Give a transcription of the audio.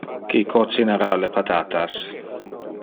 Qui cocinara le patatas?